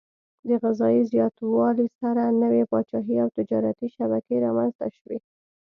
د غذايي زیاتوالي سره نوي پاچاهي او تجارتي شبکې رامنځته شوې.